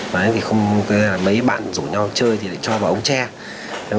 mấy bạn rủ nhau chơi thì lại cho vào ống tre